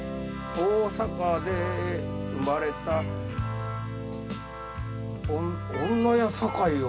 大阪で生まれた「女やさかい」を